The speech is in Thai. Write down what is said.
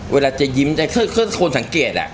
เวลาจะยิ้มใจคนสังเกตอ่ะ